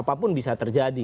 apapun bisa terjadi